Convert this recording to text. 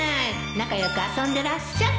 仲良く遊んでらっしゃい